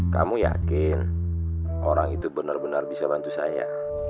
kamu yakin orang itu benar benar bisa bantu saya